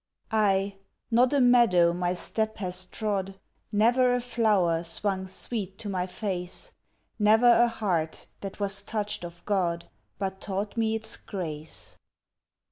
Aye, not a meadow my step has trod, Never a flower swung sweet to my face, Never a heart that was touched of God, But taught me its grace.